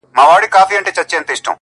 • د شرابو خُم پر سر واړوه یاره ـ